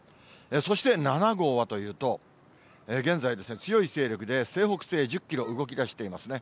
そして７号はというと、現在ですね、強い勢力で西北西１０キロ動きだしていますね。